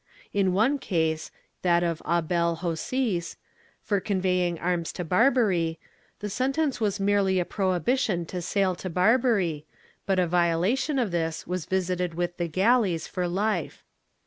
In one case, that of Abel Jocis, for conveying arms to Barbary, the sentence was merely a prohibition to sail to Barbary, but a violation of this was visited with the galleys for life.